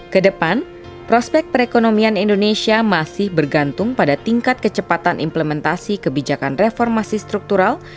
kedepan prospek perekonomian indonesia masih bergantung pada tingkat kecepatan implementasi kebijakan reformasi struktural